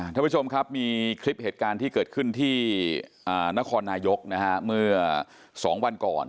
ท่านผู้ชมครับมีคลิปเหตุการณ์ที่เกิดขึ้นที่นครนายกนะฮะเมื่อ๒วันก่อน